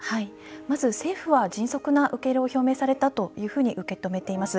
まず政府は迅速な受け入れを表明されたというふうに受け止めております。